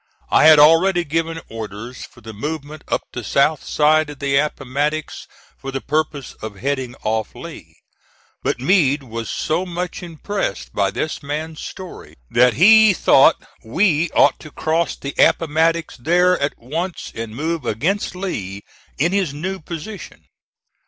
I had already given orders for the movement up the south side of the Appomattox for the purpose of heading off Lee; but Meade was so much impressed by this man's story that he thought we ought to cross the Appomattox there at once and move against Lee in his new position.